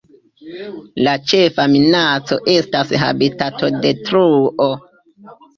La ĉefa minaco estas habitatodetruo.